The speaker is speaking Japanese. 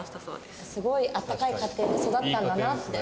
すごいあったかい家庭で育ったんだなって。